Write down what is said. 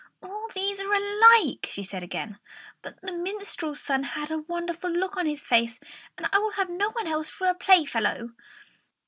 "All these are alike," she said again; "but the minstrel's son has a wonderful look on his face, and I will have no one else for a playfellow!"